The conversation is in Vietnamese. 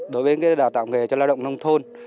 đối với đào tạo nghề cho lao động nông thôn